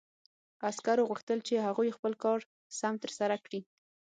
عسکرو غوښتل چې هغوی خپل کار سم ترسره کړي